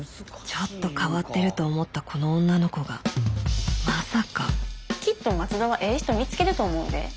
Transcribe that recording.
ちょっと変わってると思ったこの女の子がまさかきっと松戸はええ人見つけると思うで。